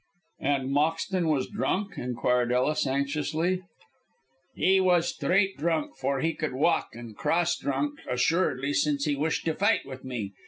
"And Moxton was drunk?" inquired Ellis, anxiously. "He was straight drunk, for he could walk; and cross drunk, assuredly, since he wished to fight with me.